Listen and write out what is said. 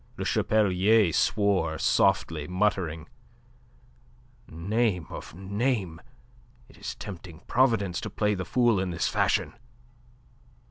Le Chapelier swore softly, muttering: "Name of a name! It is tempting Providence to play the fool in this fashion!"